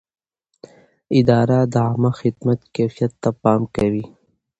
اداره د عامه خدمت کیفیت ته پام کوي.